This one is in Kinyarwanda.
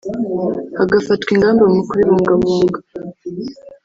hagafatwa ingamba mu kubibungabunga